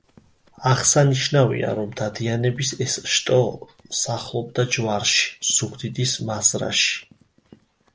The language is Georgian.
აღსანშნავია, რომ დადიანების ეს შტო სახლობდა ჯვარში, ზუგდიდის მაზრაში.